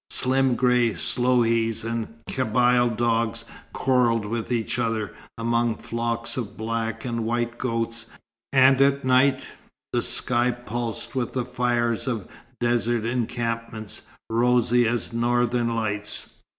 Slim grey sloughis and Kabyle dogs quarrelled with each other, among flocks of black and white goats; and at night, the sky pulsed with the fires of desert encampments, rosy as northern lights.